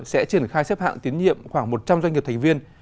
sẽ triển khai xếp hạng tiến nhiệm khoảng một trăm linh doanh nghiệp thành viên